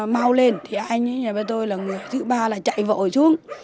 màu lên thì anh với tôi là người thứ ba là chạy vội xuống